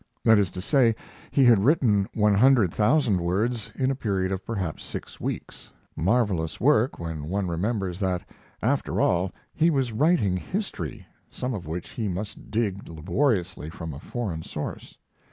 That is to say, he had written one hundred thousand words in a period of perhaps six weeks, marvelous work when one remembers that after all he was writing history, some of which he must dig laboriously from a foreign source.